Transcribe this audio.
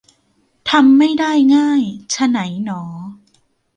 ทำไม่ได้ง่าย ไฉนหนอ